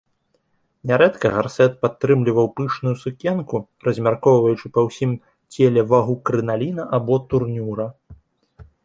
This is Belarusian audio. Нярэдка гарсэт падтрымліваў пышную сукенку, размяркоўваючы па ўсім целе вага крыналіна або турнюра.